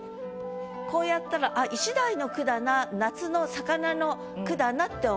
こうやったらあっ石鯛の句だな夏の魚の句だなって思う。